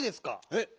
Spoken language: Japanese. えっ？